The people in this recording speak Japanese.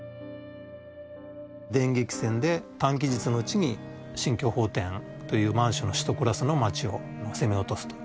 電撃戦で短期日のうちに新京奉天という満州の首都クラスの町を攻め落とすと。